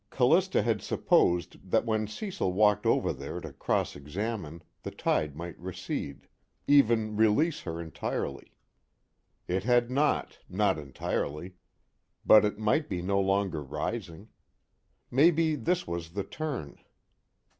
Callista had supposed that when Cecil walked over there to cross examine the tide might recede, even release her entirely. It had not, not entirely, but it might be no longer rising; maybe this was the turn.